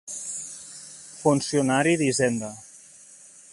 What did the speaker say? Funcionari d'Hisenda.